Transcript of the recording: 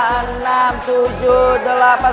enam tujuh delapan